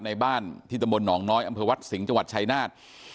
ในบ้านที่ตำบลหนองน้อยอำเภอวัดสิงห์จังหวัดชายนาฏ